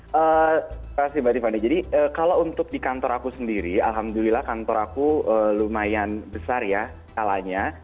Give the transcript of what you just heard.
terima kasih mbak tiffany jadi kalau untuk di kantor aku sendiri alhamdulillah kantor aku lumayan besar ya skalanya